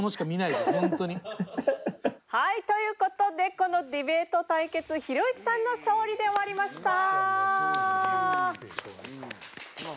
はいという事でこのディベート対決ひろゆきさんの勝利で終わりました！